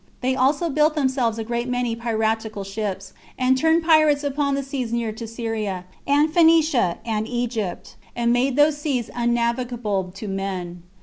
They also built themselves a great many piratical ships, and turned pirates upon the seas near to Syria, and Phoenicia, and Egypt, and made those seas unnavigable to all men.